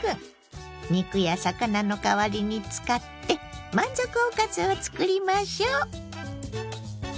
肉や魚の代わりに使って満足おかずをつくりましょ。